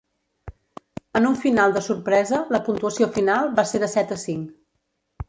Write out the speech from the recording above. En un final de sorpresa, la puntuació final va ser de set a cinc.